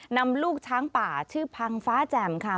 นำลูกช้างป่าชื่อพังฟ้าแจ่มค่ะ